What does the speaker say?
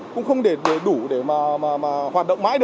trong thời gian dài